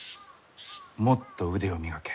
もっと腕を磨け。